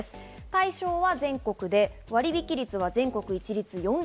対象は全国で、割引率は全国一律４０％。